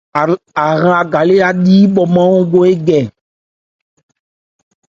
Ahrân a ka-lé á li yípɔ-nman lókɔn ékɛ.